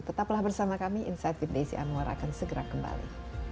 tetaplah bersama kami insight with desi anwar akan segera kembali